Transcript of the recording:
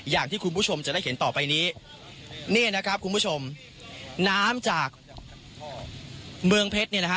อย่างที่คุณผู้ชมจะได้เห็นต่อไปนี้นี่นะครับคุณผู้ชมน้ำจากเมืองเพชรเนี่ยนะฮะ